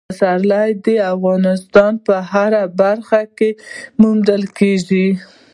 پسرلی د افغانستان په هره برخه کې موندل کېږي.